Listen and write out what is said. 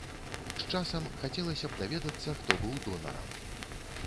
З часам хацелася б даведацца, хто быў донарам.